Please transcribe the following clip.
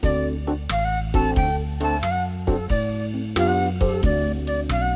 dia mencoba untuk mencoba